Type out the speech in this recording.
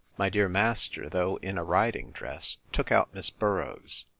My dear master, though in a riding dress, took out Miss Boroughs.